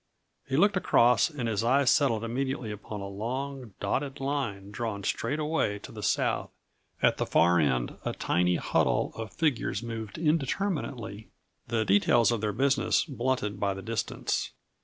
He looked across and his eyes settled immediately upon a long, dotted line drawn straight away to the south; at the far end a tiny huddle of figures moved indeterminately, the details of their business blunted by the distance.